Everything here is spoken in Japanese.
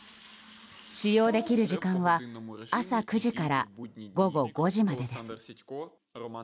使用できる時間は朝９時から午後５時までです。